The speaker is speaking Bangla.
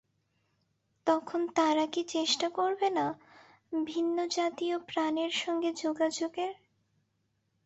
তখন তারা কি চেষ্টা করবে না ভিন্ন জাতীয় প্রাণের সঙ্গে যোগাযোগের?